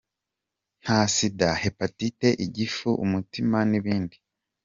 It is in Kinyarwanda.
Nta sida , hepatite, igifu, umutima n’ibindi.